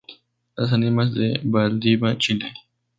Las Ánimas de Valdivia, Chile.